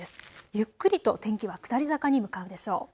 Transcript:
ゆっくりと天気は下り坂に向かうでしょう。